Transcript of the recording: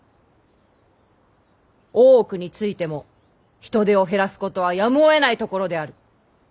大奥についても人手を減らすことはやむをえないところである。